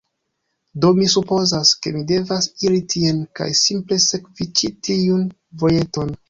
Do, mi supozas, ke mi devas iri tien kaj simple sekvi ĉi tiun vojeton